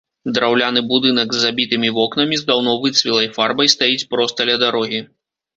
Драўляны будынак з забітымі вокнамі, з даўно выцвілай фарбай стаіць проста ля дарогі.